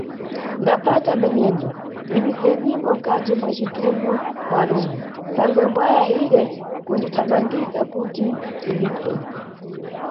Ndaphata minyendo, ndibisenimbo mkati mwa citundu mwanumu thangwe mbwaya iri kundithamangisa kuti indiphe.